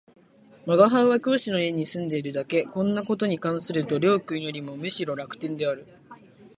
吾輩は教師の家に住んでいるだけ、こんな事に関すると両君よりもむしろ楽天である